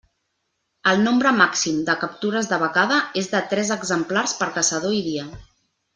El nombre màxim de captures de becada és de tres exemplars per caçador i dia.